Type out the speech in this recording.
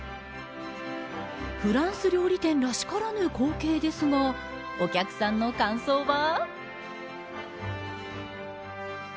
フランス料理店らしからぬ光景ですがお客さんの感想は。